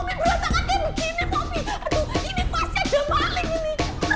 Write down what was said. ini pasti ada maling ini